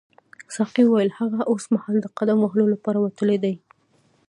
ساقي وویل هغه اوسمهال د قدم وهلو لپاره وتلی دی.